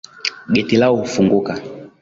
Geti lao hufunguka .